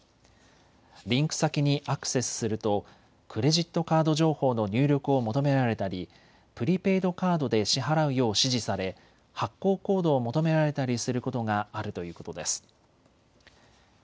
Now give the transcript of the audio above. リンク先にアクセスするとクレジットカード情報の入力を求められたりプリペイドカードで支払うよう指示され発行コードを求められたりすることがあるということです。